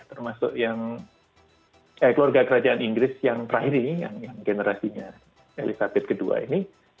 termasuk yang keluarga kerajaan inggris yang terakhir ini yang generasinya elizabeth ii ini